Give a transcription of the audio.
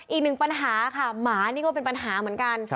อีกหนึ่งปัญหาค่ะหมานี่ก็เป็นปัญหาเหมือนกัน